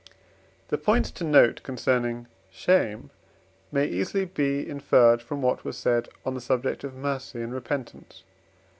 The points to note concerning shame may easily be inferred from what was said on the subject of mercy and repentance.